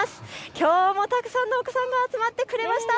きょうもたくさんのお子さんが集まってきてくれました。